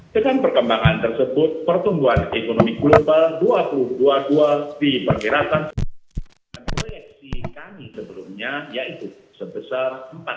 dengan perkembangan tersebut pertumbuhan ekonomi global dua ribu dua puluh dua diperkirakan proyeksi kami sebelumnya yaitu sebesar empat puluh